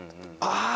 ああ！